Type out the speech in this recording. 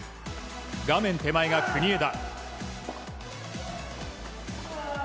画面手前が国枝。